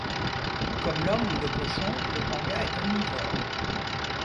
Comme l'homme ou le cochon, le panga est omnivore.